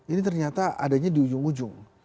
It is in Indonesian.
ini ternyata adanya di ujung ujung